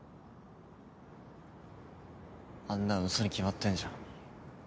あんなの嘘に決まってんじゃん。